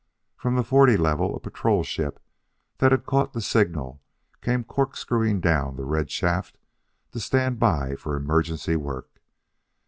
From the forty level, a patrol ship that had caught the signal came corkscrewing down the red shaft to stand by for emergency work....